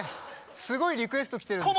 すごいリクエスト来てるんです。